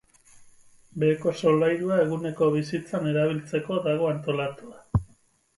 Beheko solairua eguneko bizitzan erabiltzeko dago antolatua.